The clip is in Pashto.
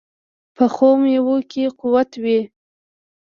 پخو میوو کې قوت وي